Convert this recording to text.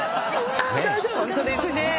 ホントですね。